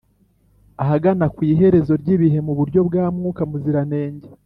ahagana ku iherezo ry’ibihe, mu buryo bwa mwuka muziranenge,